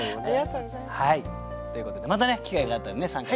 ということでまたね機会があったらね参加して頂きたいと思います。